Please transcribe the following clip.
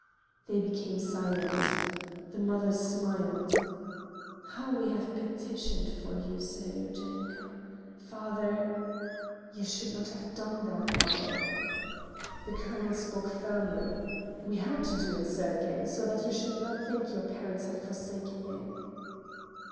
They became silent. The mother smiled. "How we have petitioned for you, Seryozhenka! Father—" "You should not have done that, mother——" The colonel spoke firmly: "We had to do it, Sergey, so that you should not think your parents had forsaken you."